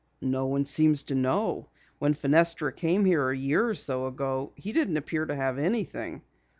"No one seems to know. When Fenestra came here a year or so ago he didn't appear to have anything.